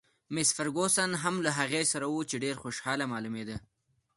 مس فرګوسن هم له هغې سره وه، چې ډېره خوشحاله معلومېده.